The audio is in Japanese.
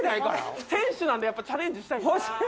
選手なんでやっぱチャレンジしたい。